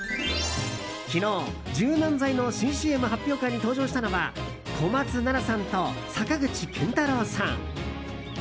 昨日、柔軟剤の新ＣＭ発表会に登場したのは小松菜奈さんと坂口健太郎さん。